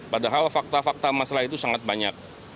padahal fakta fakta masalah itu sangat banyak